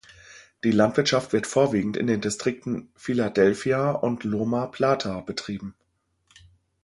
Die Landwirtschaft wird vorwiegend in den Distrikten Filadelfia und Loma Plata betrieben.